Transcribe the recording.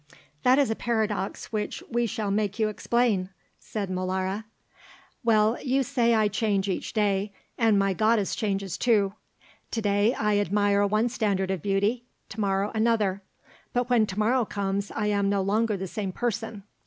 "That is a paradox which we shall make you explain," said Molara. "Well, you say I change each day, and my goddess changes too. To day I admire one standard of beauty, to morrow another, but when to morrow comes I am no longer the same person.